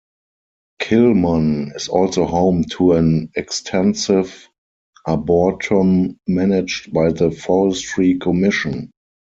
Kilmun is also home to an extensive arboretum managed by the Forestry Commission.